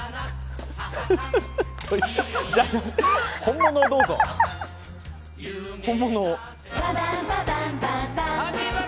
本物をどうぞ、本物を。